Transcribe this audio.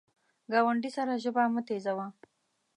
ګاونډي سره ژبه مه تیزوه